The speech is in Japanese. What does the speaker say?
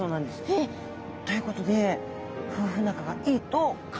えっ！ということで夫婦仲がいいと考えられてます。